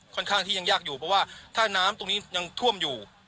ค่อนข้างที่ยังยากอยู่เพราะว่าถ้าน้ำตรงนี้ยังท่วมอยู่